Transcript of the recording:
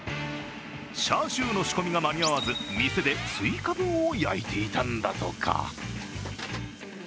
チャーシューの仕込みが間に合わず、店で追加分を焼いていたんだとか。